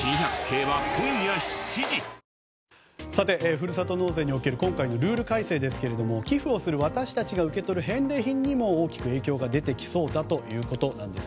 ふるさと納税における今回のルール改正ですが寄付をする私たちが受け取る返礼品にも大きく影響が出てきそうだということです。